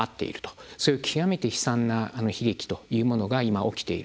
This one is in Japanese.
そういう極めて悲惨な悲劇というものが今起きている。